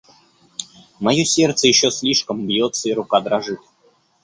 Мое сердце еще слишком бьется, и рука дрожит.